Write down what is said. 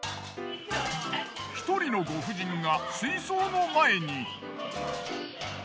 １人のご婦人が水槽の前に。